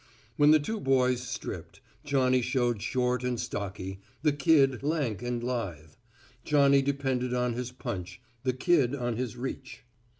When the two boys stripped, Johnny showed short and stocky, the Kid lank and lithe. Johnny depended on his punch, the Kid on his reach.